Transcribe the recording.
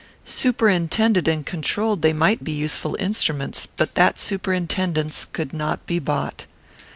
Superintended and controlled, they might be useful instruments; but that superintendence could not be bought.